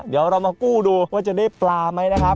เดี๋ยวเรามากู้ดูว่าจะได้ปลาไหมนะครับ